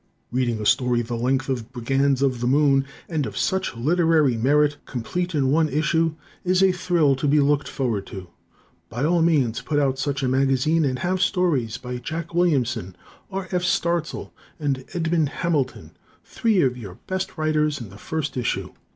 Reading a story the length of "Brigands of the Moon" and of such literary merit, complete in one issue, is a thrill to be looked forward to. By all means put out such a magazine and have stories by Jack Williamson, R. F. Starzl and Edmond Hamilton, three of your best writers, in the first issue.